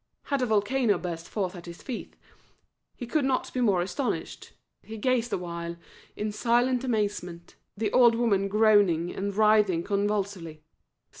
Had a volcano burst forth at his feet, he could not be more astonished; he gazed awhile in silent amazement the old woman groaning, and writhing convulsively.